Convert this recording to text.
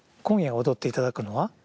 今夜踊っていただくのは？